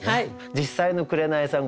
実際の紅さん